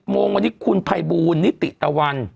๑๐โมงวันนี้คุณไพบูลงิติตะวัน